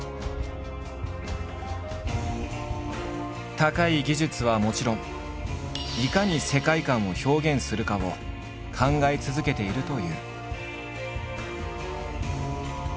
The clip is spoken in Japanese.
高い技術はもちろんいかに世界観を表現するかを考え続けているという。